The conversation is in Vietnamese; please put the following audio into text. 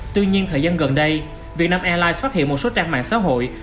tuy nhiên thời gian gần đây vietnam airlines phát hiện một số trang mạng xã hội